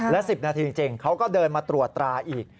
และ๑๐นาทีจริงเขาก็เดินมาตรวจตราอีก